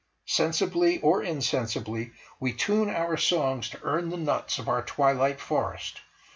Sensibly, or insensibly, we tune our songs to earn the nuts of our twilight forest.